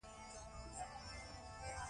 هغه په غلا او چاقو وهلو تورن و.